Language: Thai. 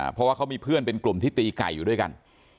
เพราะว่าเขามีเพื่อนเป็นกลุ่มที่ตีไก่อยู่ด้วยกัน